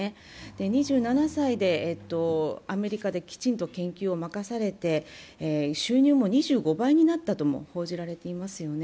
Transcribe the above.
２７歳でアメリカできちんと研究を任されて収入も２５倍になったとも報じられていますよね。